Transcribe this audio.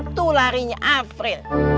tentu larinya apri